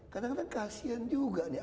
kadang kadang kasian juga nih